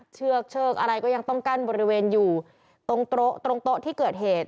เชือกเชือกอะไรก็ยังต้องกั้นบริเวณอยู่ตรงโต๊ะที่เกิดเหตุ